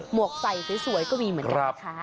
หมวกใสสวยก็มีเหมือนกันค่ะ